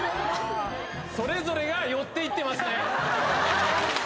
それぞれが寄って行ってますね。